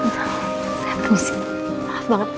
maaf banget sebentar